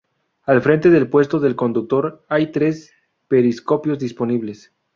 Al frente del puesto del conductor hay tres periscopios disponibles.